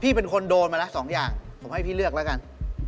พี่เป็นคนโดนมาละ๒อย่างผมให้พี่เลือกแล้วกัน